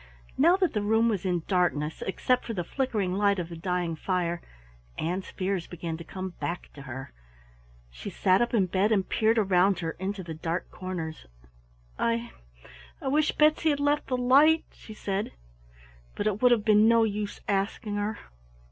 Now that the room was in darkness except for the flickering light of the dying fire, Ann's fears began to come back to her. She sat up in bed and peered round her into the dark corners. "I I wish Betsy had left the light," she said. "But it would have been no use asking her."